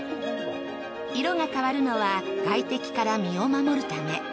色が変わるのは外敵から身を守るため。